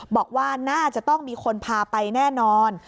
บอกว่าน่าจะต้องมีคนพาไปแน่นอน